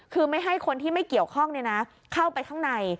คือไม่ให้คนที่ไม่เกี่ยวข้องเข้าไปข้างใน